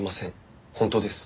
本当です。